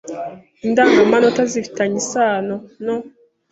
Indangamanota zifi tanye isano no